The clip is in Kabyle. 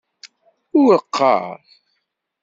Ur qqar.